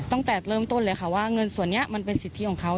ตั้งแต่เริ่มต้นเลยค่ะว่าเงินส่วนนี้มันเป็นสิทธิของเขา